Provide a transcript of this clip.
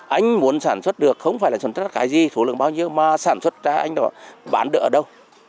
anh muốn sản xuất được không phải là sản xuất là cái gì số lượng bao nhiêu mà sản xuất ra anh đó bán được ở đâu